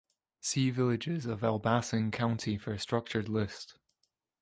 See Villages of Elbasan County for a structured list.